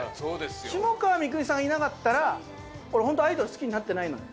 下川みくにさんがいなかったら俺本当アイドル好きになってないのよ。